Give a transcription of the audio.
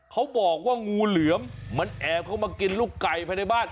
เขาบอกว่างูเหลือมมันแอบเข้ามากินลูกไก่ภายในบ้าน